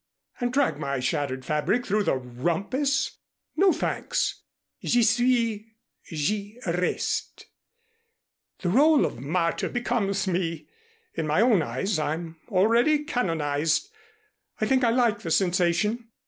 "And drag my shattered fabric into the rumpus? No, thanks. J'y suis j'y reste. The rôle of martyr becomes me. In my own eyes I'm already canonized. I think I like the sensation.